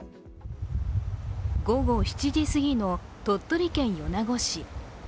午後７時すぎの、鳥取県米子市。